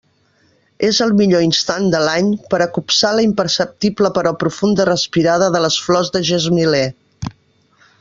És el millor instant de l'any per a copsar la imperceptible però profunda respirada de les flors de gesmiler.